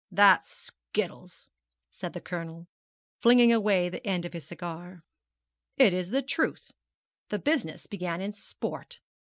'That's skittles,' said the Colonel, flinging away the end of his cigar. 'It is the truth. The business began in sport.